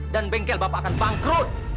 dan bengkel bapak akan bangkrut